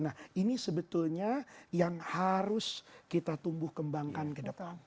nah ini sebetulnya yang harus kita tumbuh kembangkan ke depan